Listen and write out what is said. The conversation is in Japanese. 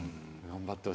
頑張って。